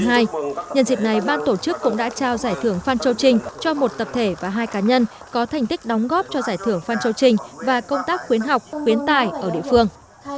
nhân dịp này ban tổ chức cũng đã trao giải thưởng phan châu trinh cho một tập thể và hai cá nhân có thành tích đóng góp cho giải thưởng phan châu trinh và công tác khuyến học khuyến tài ở địa phương